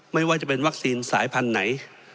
ไม่ว่าจะเป็นวัคซีนสายพันธุ์ไหน